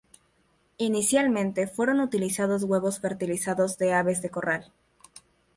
Inicialmente fueron utilizados huevos fertilizados de aves de corral.